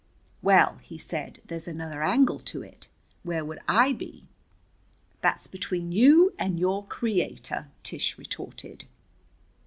"Well," he said, "there's another angle to it. Where would I be?" "That's between you and your Creator," Tish retorted.